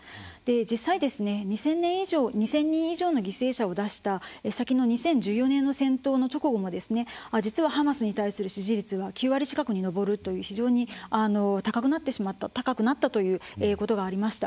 実際、２０００人以上の犠牲者を出した先の２０１４年の戦闘の直後も、実はハマスに対する支持率は９割近くに上るという非常に高くなったということがありました。